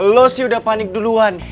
lo sih udah panik duluan